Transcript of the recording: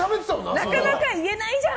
なかなか言えないじゃん！